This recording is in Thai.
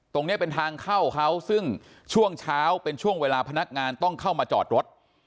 ตรงนี้เป็นทางเข้าเขาซึ่งช่วงเช้าเป็นช่วงเวลาพนักงานต้องเข้ามาจอดรถ